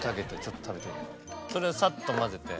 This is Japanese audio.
それをサッと混ぜて。